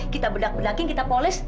kita bedakin kita polis